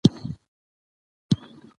موږ باید یو بل ته په غور غوږ ونیسو